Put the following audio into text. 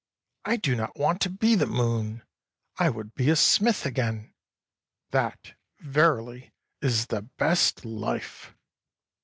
I do not want to be the moon. I would be a smith again. That, verily, is the best Hfe."